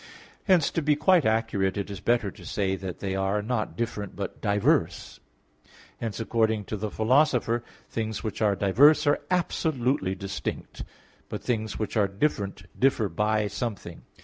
Hence, to be quite accurate, it is better to say that they are, not different, but diverse. Hence, according to the Philosopher (Metaph. x), "things which are diverse are absolutely distinct, but things which are different differ by something."